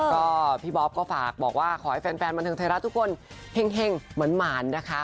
ก็พี่บ๊อบก็ฝากบอกว่าขอให้แฟนบันเทิงไทยรัฐทุกคนเห็งเหมือนหมานนะคะ